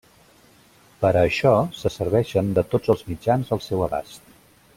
Per a això se serveixen de tots els mitjans al seu abast.